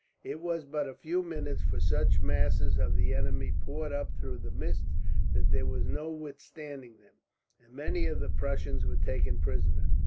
It was but for a few minutes, for such masses of the enemy poured up through the mist that there was no withstanding them, and many of the Prussians were taken prisoners.